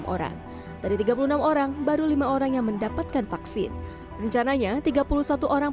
enam orang dari tiga puluh enam orang baru lima orang yang mendapatkan vaksin rencananya tiga puluh satu orang